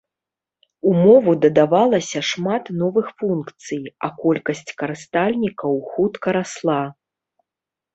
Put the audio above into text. У мову дадавалася шмат новых функцый, а колькасць карыстальнікаў хутка расла.